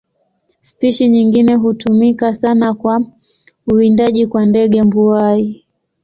Spishi nyingine hutumika sana kwa uwindaji kwa ndege mbuai.